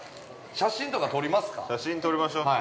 ◆写真撮りましょう。